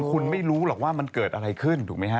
คุณไม่รู้หรอกว่ามันเกิดอะไรขึ้นถูกไหมฮะ